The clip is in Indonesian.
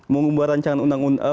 mengubah rancangan undang undang